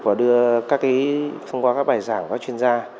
và đưa các cái thông qua các bài giảng của các chuyên gia